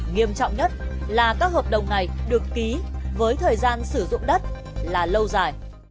nghiêm trọng nhất là các hợp đồng này được ký với thời gian sử dụng đất là lâu dài